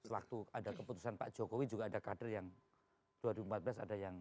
waktu ada keputusan pak jokowi juga ada kader yang dua ribu empat belas ada yang